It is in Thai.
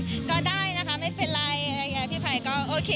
ก็ได้นะคะไม่เป็นไรพี่ไพ่ก็โอเค